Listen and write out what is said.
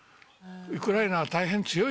ウクライナは大変強いよ。